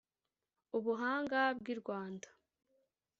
Ubuhanga bw'i Rwanda